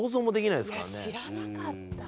いや知らなかった。